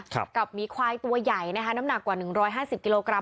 กับหมีควายตัวใหญ่นะคะน้ำหนักกว่า๑๕๐กิโลกรัม